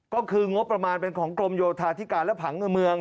ก็คืองบประมาณเป็นของกรมโยธาธิการและผังเมือง